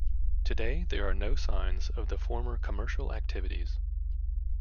Today there are no signs of the former commercial activities.